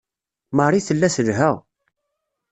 Marie tella telha.